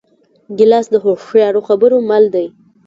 ګیلاس د هوښیارو خبرو مل دی.